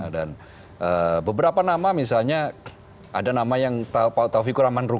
dan beberapa nama misalnya ada nama yang taufikur rahman ruhi